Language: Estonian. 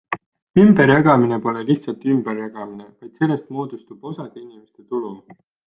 Ümberjagamine pole lihtsalt ümberjagamine, vaid sellest moodustub osade inimeste tulu.